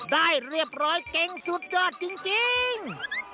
ได้เรียบร้อยเก่งสุดยอดจริง